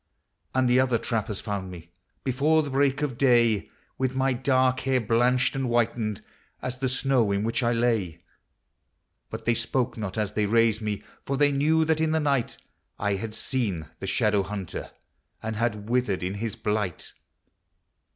And the other trappers found me, Before the break of day, With my dark hair blanched and whitened As the snow in which I lay. But they spoke not as they raised me ; For they knew that in the night I had seen the Shadow hunter And had withered in his blight.